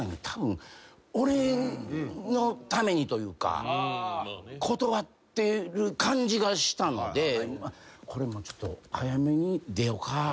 たぶん俺のためにというか断ってる感じがしたのでちょっと早めに出ようか？